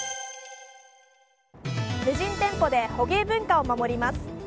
無人店舗で捕鯨文化を守ります。